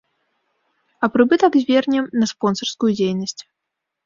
А прыбытак звернем на спонсарскую дзейнасць.